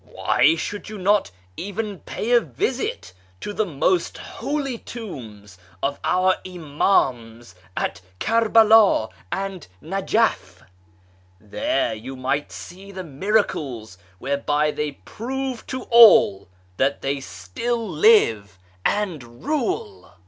Why should you not even pay a visit to the most holy tombs of our Imams at Kerbela and Nejef ? There you might see the miracles whereby they prove to all that they still live and rule."